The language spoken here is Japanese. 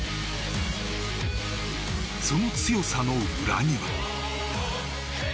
その強さの裏には。